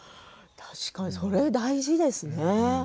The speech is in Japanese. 確かに、それは大事ですね。